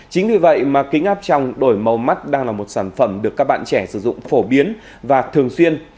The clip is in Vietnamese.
chính vì vậy mà kính áp trong đổi màu mắt đang là một sản phẩm được các bạn trẻ sử dụng phổ biến và thường xuyên